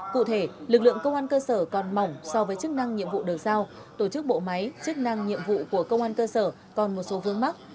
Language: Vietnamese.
cụ thể lực lượng công an cơ sở còn mỏng so với chức năng nhiệm vụ được giao tổ chức bộ máy chức năng nhiệm vụ của công an cơ sở còn một số vương mắc